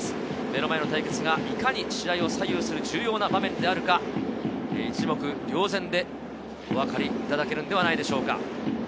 目の前の対決がいかに試合を左右する重要な場面であるかが一目瞭然でお分かりいただけるんではないでしょうか。